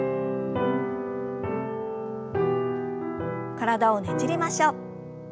体をねじりましょう。